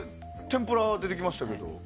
天ぷらが出てきましたけど。